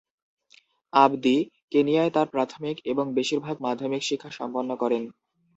আবদি কেনিয়ায় তার প্রাথমিক এবং বেশিরভাগ মাধ্যমিক শিক্ষা সম্পন্ন করেন।